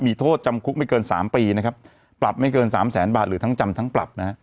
มีโทษจำคุกไม่เกินสามปีนะครับปรับไม่เกินสามแสนบาทหรือทั้งจำทั้งปรับนะฮะ